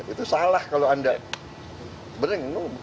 itu salah kalau anda benar benar tahu